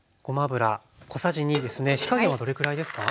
火加減はどれくらいですか？